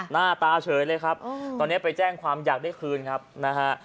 หน้าตาเฉยเลยครับตอนนี้ไปแจ้งความอยากได้คืนครับนะฮะ